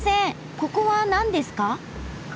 ここはなんですか？